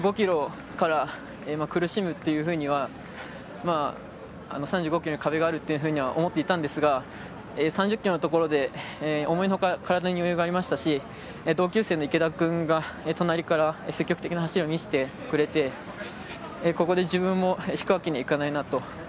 ３５ｋｍから苦しむっていうふうには３５ｋｍの壁があるっていうふうには思っていたんですが３０ｋｍのところで思いのほか体に余裕がありましたし同級生の池田君が隣から積極的な走りを見せてくれてここで自分も引くわけにはいかないなと。